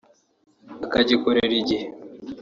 akagikorera igihe